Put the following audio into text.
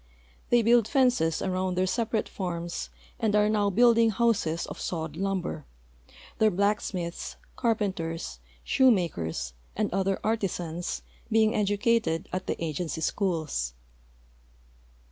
They build fences around their separate farms and are now building houses of sawed lumber, their blacksmiths, carpenters, shoemakers, and other artisans being educated at the agency schools.